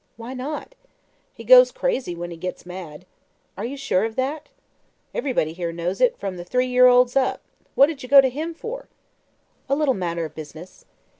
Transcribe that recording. "Why not?" "He goes crazy when he gits mad." "Are you sure of that?" "Ev'rybody here knows it, from the three year olds up. What did ye go to him for?" "A little matter of business."